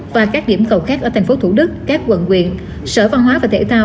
và các điểm cầu khác ở tp thủ đức các quận quyện sở văn hóa và thể thao